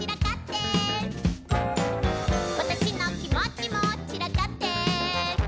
「わたしの気持ちもちらかって」